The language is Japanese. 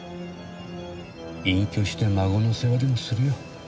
隠居して孫の世話でもするよ。